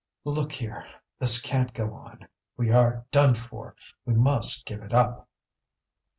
"Look here! this can't go on, we are done for. We must give it up."